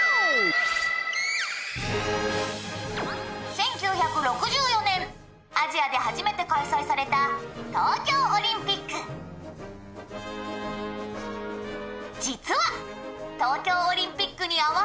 「１９６４年アジアで初めて開催された東京オリンピック」ふん。